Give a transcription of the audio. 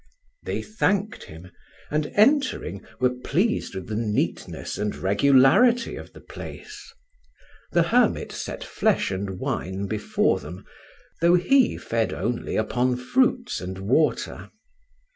They thanked him; and, entering, were pleased with the neatness and regularity of the place. The hermit set flesh and wine before them, though he fed only upon fruits and water.